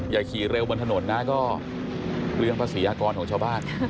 อย่าขี่เร็วบนถนนนะก็เรื่องภาษีอากรของชาวบ้าน